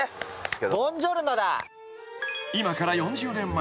［今から４０年前］